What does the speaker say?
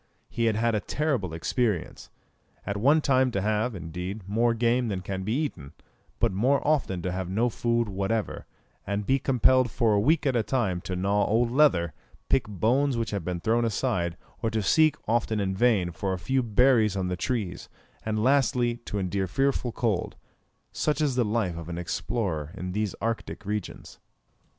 He had had a terrible experience. At one time to have, indeed, more game than can be eaten; but more often to have no food whatever, and be compelled for a week at a time to gnaw old leather, pick bones which had been thrown aside, or to seek, often in vain, for a few berries on the trees; and lastly, to endure fearful cold such is the life of an explorer in these Arctic regions.